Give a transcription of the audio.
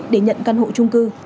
để nhận căn hộ trung cư